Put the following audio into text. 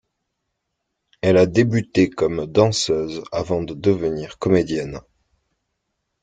Elle a débuté comme danseuse avant de devenir comédienne.